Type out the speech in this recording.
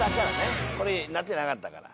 これ夏じゃなかったから。